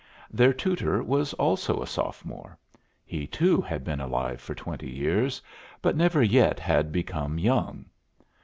Their tutor was also a sophomore. He too had been alive for twenty years, but never yet had become young.